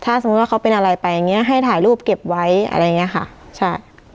ถ้าสมมุติว่าเขาเป็นอะไรไปอย่างเงี้ให้ถ่ายรูปเก็บไว้อะไรอย่างเงี้ยค่ะใช่